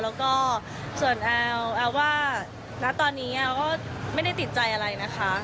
แล้วก็ส่วนแอลว่าณตอนนี้แอลก็ไม่ได้ติดใจอะไรนะคะ